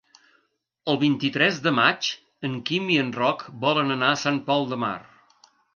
El vint-i-tres de maig en Quim i en Roc volen anar a Sant Pol de Mar.